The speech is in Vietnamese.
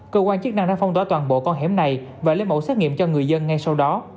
cơ quan chức năng đã phong tỏa toàn bộ con hẻm này và lấy mẫu xét nghiệm cho người dân ngay sau đó